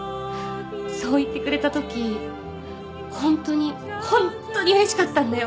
そう言ってくれたときホントにホンットにうれしかったんだよ。